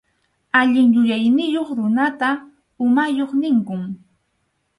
Allin yuyayniyuq runata umayuq ninkum.